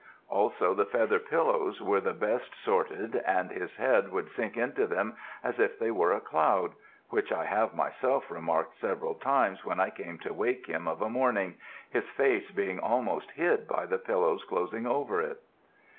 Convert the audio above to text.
Also the feather pillows were the best sorted and his head would sink into them as if they were a cloud: which I have myself remarked several times when I came to wake him of a morning, his face being almost hid by the pillow closing over it.